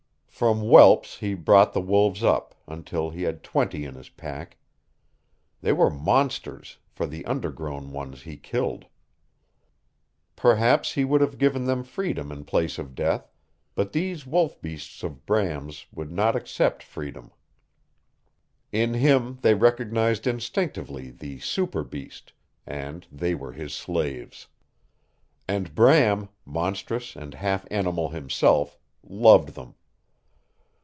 From whelps he brought the wolves up, until he had twenty in his pack. They were monsters, for the under grown ones he killed. Perhaps he would have given them freedom in place of death, but these wolf beasts of Bram's would not accept freedom. In him they recognized instinctively the super beast, and they were his slaves. And Bram, monstrous and half animal himself, loved them.